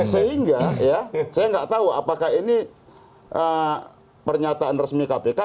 sehingga ya saya nggak tahu apakah ini pernyataan resmi kpk